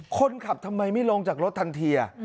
ทำไมไม่ลงจากรถทันที